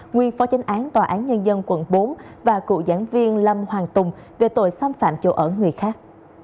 nguyên phó tranh án tòa án nhân dân quận bốn và cựu giảng viên lâm hoàng tùng về tội xâm phạm chỗ ở người khác